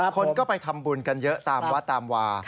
คนก็ไปทำบุญกันเยอะตามวัดตามวา